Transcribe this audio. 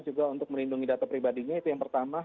juga untuk melindungi data pribadinya itu yang pertama